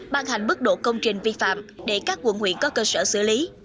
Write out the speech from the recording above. ban hành bức độ công trình vi phạm để các quận huyện có cơ sở xử lý